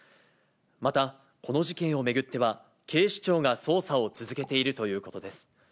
また、この事件を巡っては、警視庁が捜査を続けているということです。